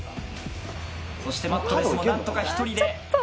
そしてマットレスも何とか１人で。